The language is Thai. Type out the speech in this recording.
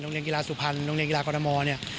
โรงเรียนกีฬาสุพรรณโรงเรียนกีฬากรมเนี่ย